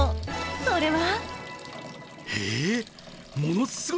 それは。